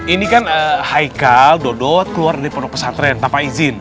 ini kan haikal dodo keluar dari pondok pesantren tanpa izin